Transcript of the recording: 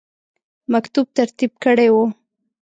مکتوب ترتیب کړی وو.